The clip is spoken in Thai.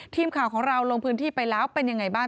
ทีมข่าวของเราลงพื้นที่ไปแล้วเป็นยังไงบ้าง